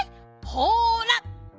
ほら！